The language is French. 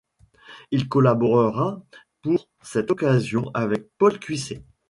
Il collaborera pour cette occasion avec Paul Cuisset.